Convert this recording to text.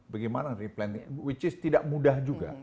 bagaimana replanting which is tidak mudah juga